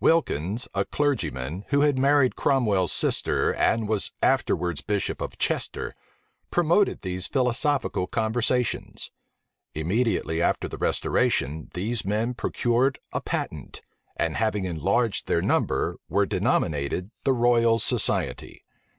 Wilkins, a clergyman, who had married Cromwell's sister, and was afterwards bishop of Chester, promoted these philosophical conversations. Immediately after the restoration, these men procured a patent, and having enlarged their number, were denominated the Royal Society.